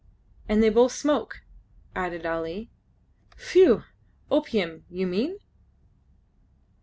"And they both smoke," added Ali. "Phew! Opium, you mean?"